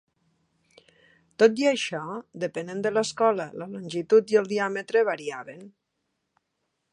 Tot i això, depenent de l'escola la longitud i el diàmetre variaven.